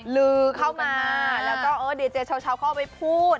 ลือเข้ามาแล้วก็เออดีเจเช้าเข้าไปพูด